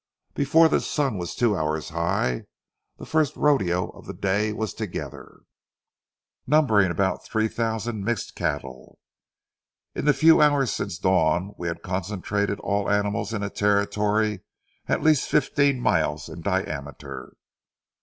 Before the sun was two hours high, the first rodeo of the day was together, numbering about three thousand mixed cattle. In the few hours since dawn, we had concentrated all animals in a territory at least fifteen miles in diameter.